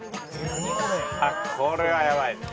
あっこれはやばいね。